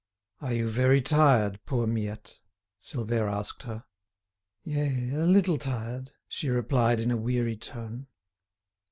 "Are you very tired, poor Miette?" Silvère asked her. "Yea, a little tired," she replied in a weary tone.